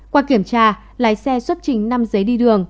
qua kiểm tra lái xe xuất trình năm giấy đi đường